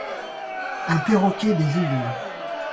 Un perroquet des îles.